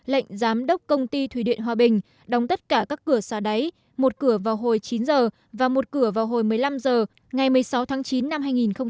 lệnh giám đốc công ty thủy điện hòa bình đóng tất cả các cửa xà đáy một cửa vào hồi chín h và một cửa vào hồi một mươi năm h ngày một mươi sáu tháng chín năm hai nghìn một mươi chín